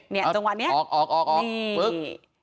ไม่ใช่ช่องนี้ออกปุ๊ก